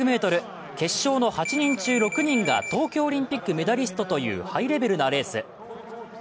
決勝の８人中６人が東京オリンピックメダリストというハイレベルなレース。